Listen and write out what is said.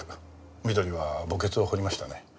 美登里は墓穴を掘りましたね。